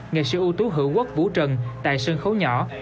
nghệ sĩ ưu tú hữu quốc vũ trần tại sân khấu nhỏ